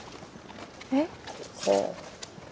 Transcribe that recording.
えっ？